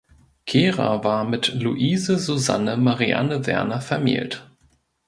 Kehrer war mit Luise Susanne Marianne Werner vermählt.